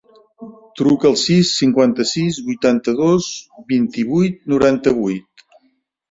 Truca al sis, cinquanta-sis, vuitanta-dos, vint-i-vuit, noranta-vuit.